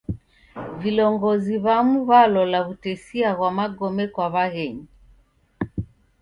Vilongozi w'amu w'alola w'utesia ghwa magome kwa w'aghenyu.